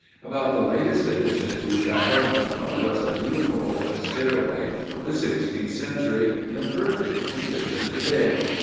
About the latest addition to Châteaudun was a beautiful open stairway of the sixteenth century, in perfect condition to day.